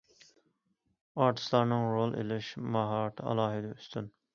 ئارتىسلارنىڭ رول ئېلىش ماھارىتى ئالاھىدە ئۈستۈن.